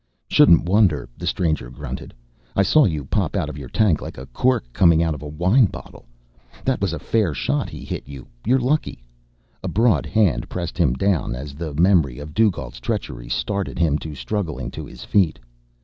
"Shouldn't wonder," the stranger grunted. "I saw you pop out of your tank like a cork coming out of a wine bottle. That was a fair shot he hit you. You're lucky." A broad hand pressed him down as the memory of Dugald's treachery started him struggling to his feet.